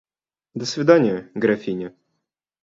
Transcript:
До свиданья, графиня.